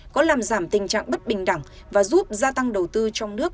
có làm giảm tình trạng bất bình đẳng và giúp gia tăng đầu tư trong nước